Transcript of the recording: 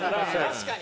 確かに。